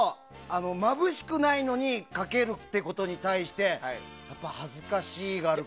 まぶしくないのにかけることに対してやっぱり恥ずかしいがある。